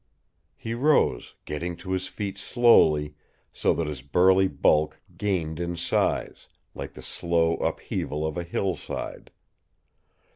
He rose, getting to his feet slowly, so that his burly bulk gained in size, like the slow upheaval of a hillside.